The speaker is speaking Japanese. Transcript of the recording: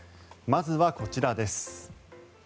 まずはこちらです。